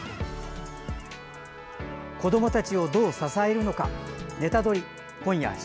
子どもたちをどう支えるのか。